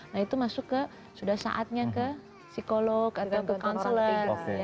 nah itu masuk ke sudah saatnya ke psikolog atau ke konsulat